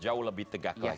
jauh lebih tegak lagi ya